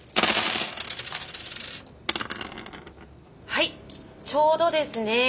はいちょうどですね。